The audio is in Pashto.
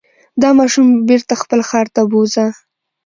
دا ماشوم بېرته خپل ښار ته بوځه.